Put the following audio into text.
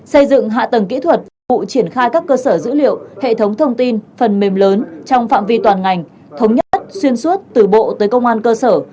xây dựng hạ tầng kỹ thuật phục vụ triển khai các cơ sở dữ liệu hệ thống thông tin phần mềm lớn trong phạm vi toàn ngành thống nhất xuyên suốt từ bộ tới công an cơ sở